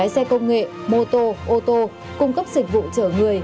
hai xe công nghệ mô tô ô tô cung cấp dịch vụ chở người